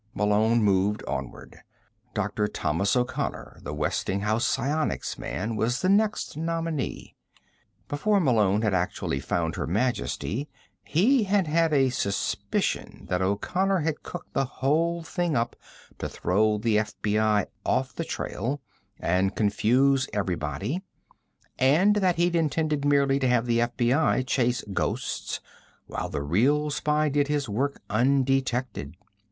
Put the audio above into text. Malone moved onward. Dr. Thomas O'Connor, the Westinghouse psionics man, was the next nominee. Before Malone had actually found Her Majesty, he had had a suspicion that O'Connor had cooked the whole thing up to throw the FBI off the trail and confuse everybody, and that he'd intended merely to have the FBI chase ghosts while the real spy did his work undetected.